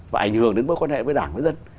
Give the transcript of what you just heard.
và ảnh hưởng đến mối quan hệ với đảng với dân